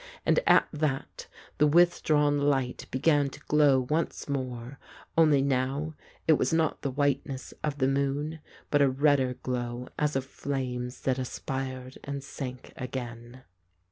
And at that the withdrawn light began to glow once more, only now it was not the whiteness of the moon, but a redder glow as of flames that aspired and sank again.